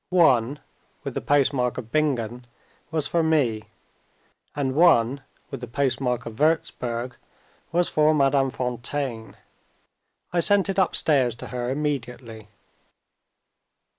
One (with the postmark of Bingen) was for me. And one (with the postmark of Wurzburg) was for Madame Fontaine. I sent it upstairs to her immediately.